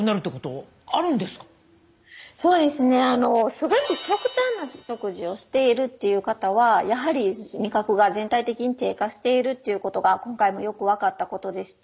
すごく極端な食事をしているという方はやはり味覚が全体的に低下しているっていうことが今回もよく分かったことでして。